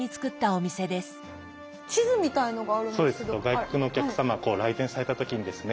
外国のお客様来店された時にですね